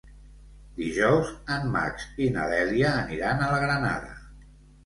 Dijous en Max i na Dèlia aniran a la Granada.